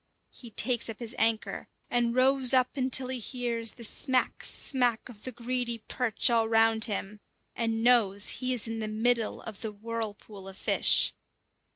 He takes up his anchor, and rows up until he hears the smack, smack of the greedy perch all round him, and knows he is in the middle of the whirlpool of fish.